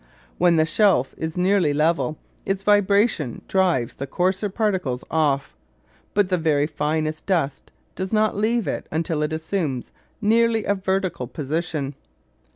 When the shelf is nearly level its vibration drives the coarser particles off; but the very finest dust does not leave it until it assumes nearly a vertical position.